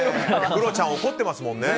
クロちゃん怒ってますもんね。